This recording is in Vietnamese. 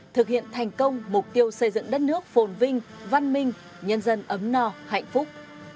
thực hiện thành công mục tiêu xây dựng đất nước phồn vinh văn minh nhân dân ấm no hạnh phúc